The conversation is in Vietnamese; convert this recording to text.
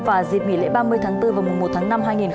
và dịp nghỉ lễ ba mươi tháng bốn mùa một tháng năm